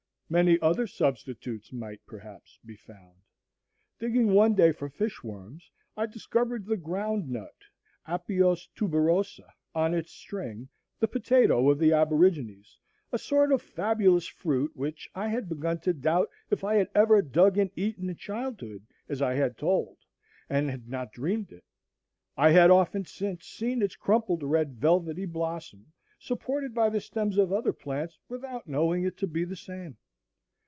Many other substitutes might, perhaps, be found. Digging one day for fish worms, I discovered the ground nut (Apios tuberosa) on its string, the potato of the aborigines, a sort of fabulous fruit, which I had begun to doubt if I had ever dug and eaten in childhood, as I had told, and had not dreamed it. I had often since seen its crimpled red velvety blossom supported by the stems of other plants without knowing it to be the same.